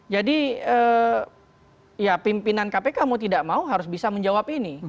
jadi pimpinan kpk mau tidak mau harus bisa menjawab ini